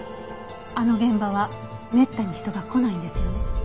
あの現場はめったに人が来ないんですよね？